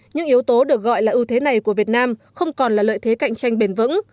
những yếu tố được gọi là ưu thế này của việt nam không còn là lợi thế cạnh tranh bền vững